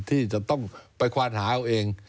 ที่จะต้องไปควานหาเอาเอง